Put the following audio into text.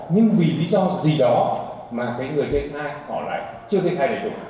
nhưng vì lý do gì đó mà người kê khai họ lại chưa kê khai được